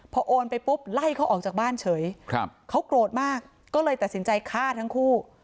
พอโอนไปปุ๊บไล่เขาออกจากบ้านเฉยเขาโกรธมากก็เลยตัดสินใจฆ่าทั้งคู่